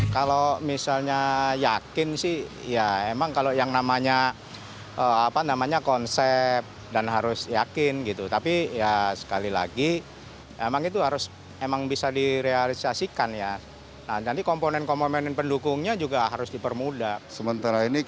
kementerian esdm berencana untuk melakukan konversi motor dari berbahan bakar fosil menjadi listrik